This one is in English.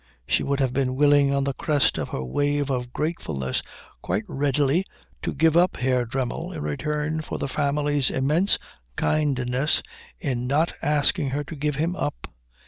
She would have been willing on the crest of her wave of gratefulness quite readily to give up Herr Dremmel in return for the family's immense kindness in not asking her to give him up.